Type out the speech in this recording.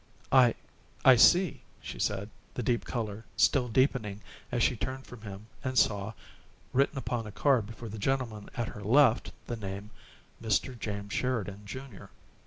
"I I see," she said, the deep color still deepening as she turned from him and saw, written upon a card before the gentleman at her left the name, "Mr. James Sheridan, Jr."